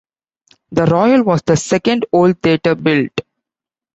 The Royal was the second old theatre built.